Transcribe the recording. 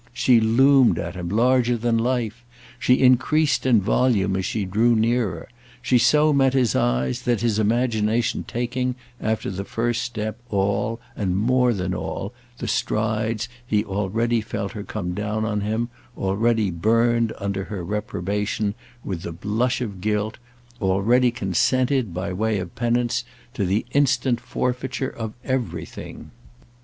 She loomed at him larger than life; she increased in volume as she drew nearer; she so met his eyes that, his imagination taking, after the first step, all, and more than all, the strides, he already felt her come down on him, already burned, under her reprobation, with the blush of guilt, already consented, by way of penance, to the instant forfeiture of everything.